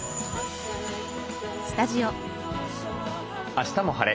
「あしたも晴れ！